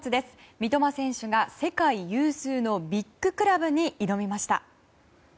三笘選手が世界有数のビッグクラブに挑みました。